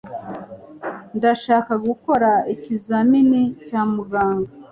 Ndashaka gukora ikizamini cya muganga.